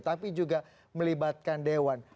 tapi juga melibatkan dewan